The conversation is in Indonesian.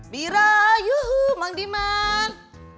bira yuhu mandiman